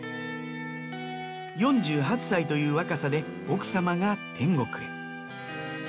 ４８歳という若さで奥様が天国へ。